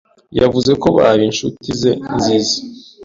Yavuze ko bari inshuti ze nziza.